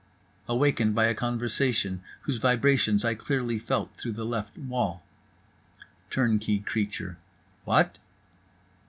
… Awakened by a conversation whose vibrations I clearly felt through the left wall: Turnkey creature: "What?"